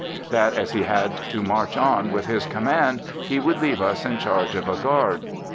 That as he had to march on with his command he would leave us in charge of a guard.